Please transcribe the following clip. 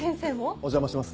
お邪魔します。